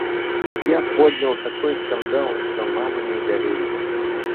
Я поднял такой скандал, что мама не горюй!